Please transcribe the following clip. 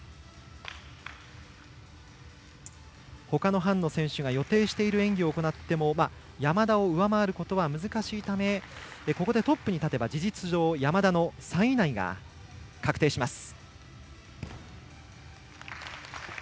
ほかの班の選手が予定している演技を行っても山田を上回ることは難しいためここでトップに立てば事実上、山田の３位以内が確定します。